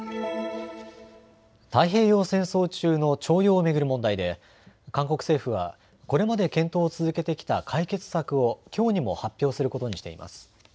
太平洋戦争中の徴用を巡る問題で韓国政府はこれまで検討を続けてきた解決策をきょうにも発表することにしています。